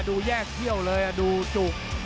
ดูแยกเขี้ยวเลยดูจุก